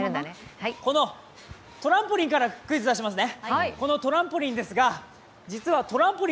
このトランポリンからクイズを出しますね。